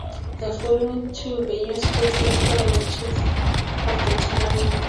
The following two venues hosted for the matches of the tournament.